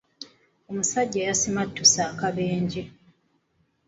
Omusajja yasimattuse akabenje.